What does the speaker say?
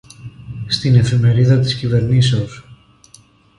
στην Εφημερίδα της Κυβερνήσεως